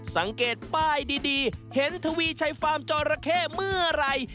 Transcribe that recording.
สังเกตป้ายดีเห็นทวีชัยฟาร์มจอระเข้เมื่อไหร่